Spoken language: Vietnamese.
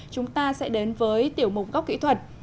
chúng ta sẽ đến với tiểu mục gốc kỹ thuật